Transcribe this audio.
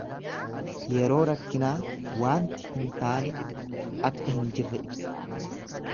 Yeroo rakkinaa waanti hin taane akka hin jirre ibsa.